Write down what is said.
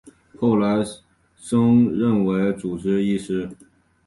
后来侯升任为主治医师。